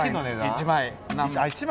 １枚。